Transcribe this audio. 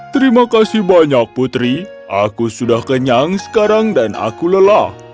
terima kasih banyak putri aku sudah kenyang sekarang dan aku lelah